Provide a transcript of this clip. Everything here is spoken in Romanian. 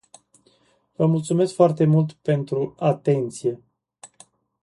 Vă mulțumesc foarte mult pentru atenție.